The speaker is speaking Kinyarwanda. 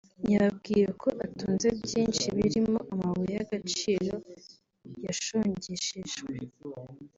yababwiye ko atunze byinshi birimo amabuye y’agaciro yashongeshejwe